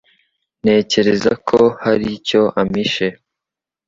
Ntekereza ko hari icyo ampishe.